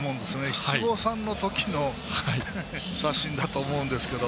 七五三の時の写真だと思うんですけど。